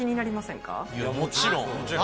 もちろん！